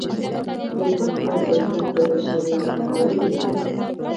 ټوپک او تلتک د بشر لاسته راوړنې دي